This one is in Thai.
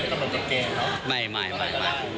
ก็คือไม่ได้กำลังจะเกลียดเขาเหรอครับ